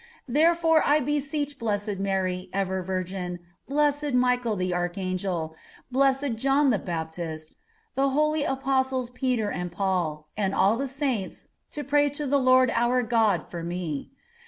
Therefore, I beseech blessed Mary, ever Virgin, blessed Michael the Archangel, blessed John the Baptist, the holy Apostles Peter and Paul, and all the Saints, to pray to the Lord our God for me.